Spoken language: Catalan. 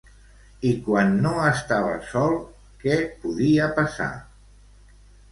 I quan no estava sol, què podia passar?